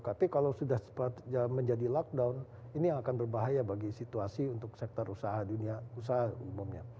tapi kalo sudah menjadi lock down ini akan berbahaya bagi situasi untuk sektor usaha dunia usaha umumnya